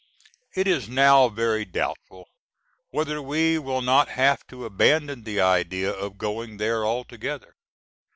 It is now very doubtful whether we will not have to abandon the idea of going there altogether.